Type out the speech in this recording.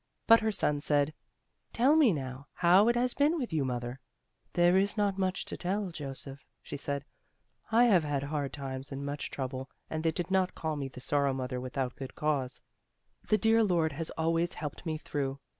But her son said: "Tell me now, how it has been with you. Mother." "There is not much to tell, Joseph," she said; "I have had hard times and much trouble, and they did not call me the Sorrow mother without good cause. The dear Lord has always helped me through.